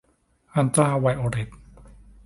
อัลตราไวโอเลต